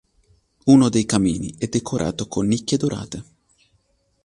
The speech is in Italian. Uno dei camini è decorato con nicchie dorate.